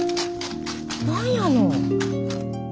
何やの。